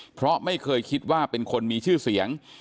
เพราะไม่เคยคิดว่าเป็นคนมีชื่อเสียง